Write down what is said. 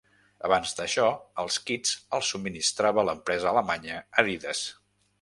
Abans d'això, els kits els subministrava l'empresa alemanya Adidas.